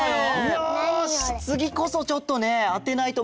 よしつぎこそちょっとねあてないと。